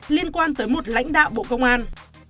liên quan tới một lãnh đạo bộ công an